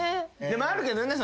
でもあるけどね。